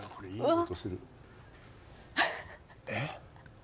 えっ？